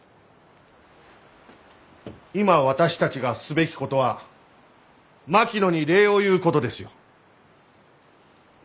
今私たちがすべきことは槙野に礼を言うことですよ。